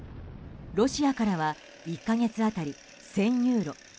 ロシアからは１か月当たり１０００ユーロ